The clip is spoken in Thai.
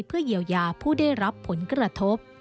เพื่อเยียวยาผู้ได้รับผลกระทบ